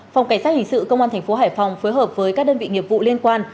phòng cảnh sát hình sự công an tp hải phòng phối hợp với các đơn vị nghiệp vụ liên quan